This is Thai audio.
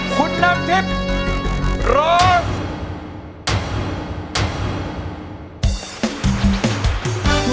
คุณน้ำทิพย์ร้อง